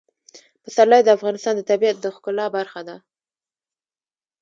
پسرلی د افغانستان د طبیعت د ښکلا برخه ده.